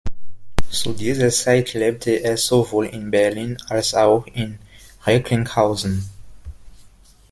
Zu dieser Zeit lebte er sowohl in Berlin als auch in Recklinghausen.